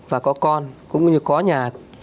và có con cũng như có nhà